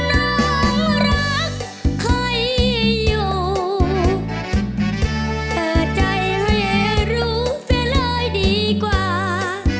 น้องรักใครอยู่เธอใจให้รู้เสร็จเลยดีกว่า